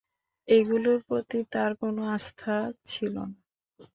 এগুলোর প্রতি তার কোন আস্থা ছিল না।